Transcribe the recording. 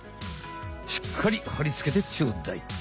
しっかりはりつけてちょうだい。